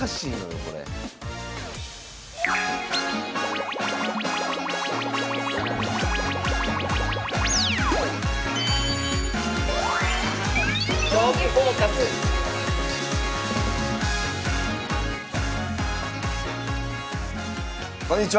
これこんにちは。